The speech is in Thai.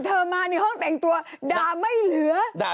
หนึ่งห้องแต่งตัวด่าไม่เหลือ